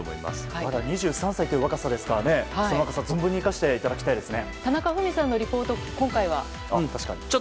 まだ２３歳という若さですからその若さ生かしてほしいですね。